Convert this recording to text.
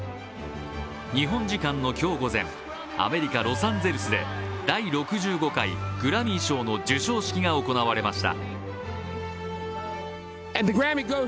日本時間の今日午前、アメリカ・ロサンゼルスで第６５回グラミー賞の授賞式が行われました。